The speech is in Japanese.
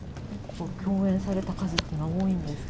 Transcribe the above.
共演された数っていうのは多いんですか？